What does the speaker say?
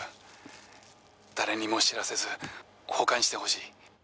「誰にも知らせず保管してほしい」